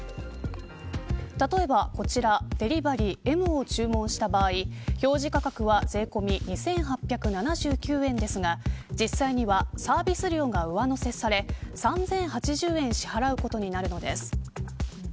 例えばこちら、デリバリーＭを注文した場合表示価格は税込み２８７９円ですが実際にはサービス料が上乗せされ３０８０円支払うことになるのです。